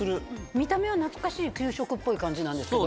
見た目は懐かしい給食っぽい感じなんですけど。